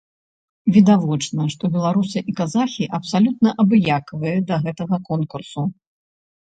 Відавочна, што беларусы і казахі абсалютна абыякавыя да гэтага конкурсу.